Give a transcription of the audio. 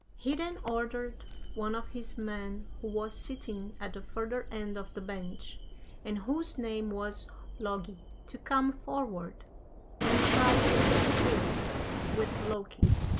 "He then ordered one of his men, who was sitting at the further end of the bench, and whose name was Logi, to come forward and try his skill with Loki.